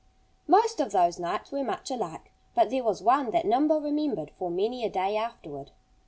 Most of those nights were much alike. But there was one that Nimble remembered for many a day afterward.